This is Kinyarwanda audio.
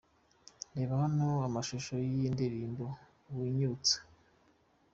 Reba hano amashusho y'iyi ndirimbo 'Winyibutsa'.